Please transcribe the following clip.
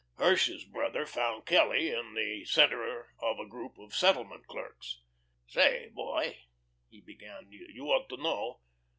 Hirsch's brother found Kelly in the centre of a group of settlement clerks. "Say, boy," he began, "you ought to know.